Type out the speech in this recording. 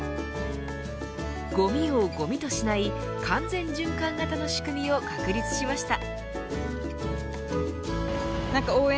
ごみをごみとしない完全循環型の仕組みを確立しました。